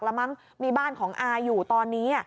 แล้วมั้งมีบ้านของอาอยู่ตอนนี้